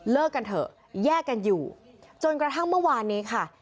กันเถอะแยกกันอยู่จนกระทั่งเมื่อวานนี้ค่ะ